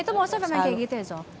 itu maksudnya memang kayak gitu ya sok